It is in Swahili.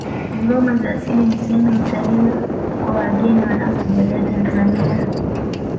ngoma za asili ni sehemu ya utalii kwa wageni wanaotembelea tanzania